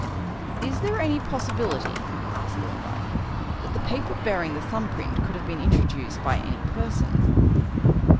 "Is there any possibility," asked Thorndyke, "that the paper bearing the thumb print could have been introduced by any person?"